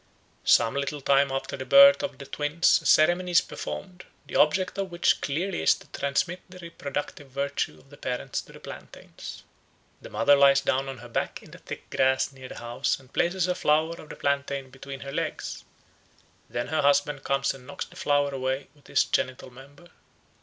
Some little time after the birth of the twins a ceremony is performed, the object of which clearly is to transmit the reproductive virtue of the parents to the plantains. The mother lies down on her back in the thick grass near the house and places a flower of the plantain between her legs; then her husband comes and knocks the flower away with his genital member.